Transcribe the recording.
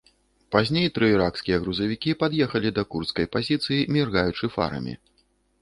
Пазней тры іракскія грузавікі пад'ехалі да курдскай пазіцыі, міргаючы фарамі.